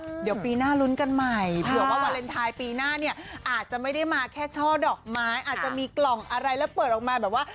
เดี๋ยวปีหน้าลุ้นกันใหม่เผื่อว่าวาเลนไทยปีหน้าเนี่ยอาจจะไม่ได้มาแค่ช่อดอกไม้อาจจะมีกล่องอะไรแล้วเปิดออกมาแบบว่า